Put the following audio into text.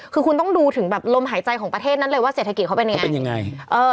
คือคุณต้องดูถึงแบบลมหายใจของประเทศนั้นเลยว่าเศรษฐกิจเขาเป็นยังไงเป็นยังไง